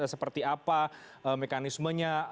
seperti apa mekanismenya